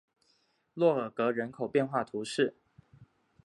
洛尔格人口变化图示